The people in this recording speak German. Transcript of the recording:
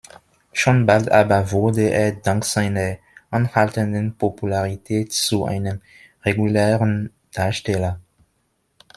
Schon bald aber wurde er dank seiner anhaltenden Popularität zu einem regulären Darsteller.